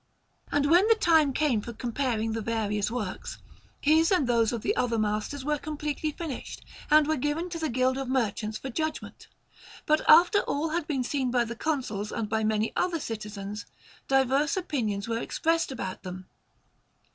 And when the time came for comparing the various works, his and those of the other masters were completely finished, and were given to the Guild of Merchants for judgment; but after all had been seen by the Consuls and by many other citizens, diverse opinions were expressed about them.